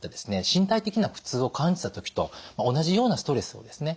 身体的な苦痛を感じた時と同じようなストレスをですね